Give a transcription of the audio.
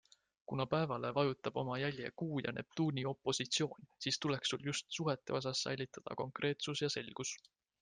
Kuna päevale vajutab oma jälje Kuu ja Neptuuni opositsioon, siis tuleks sul just suhete osas säilitada konkreetsus ja selgus.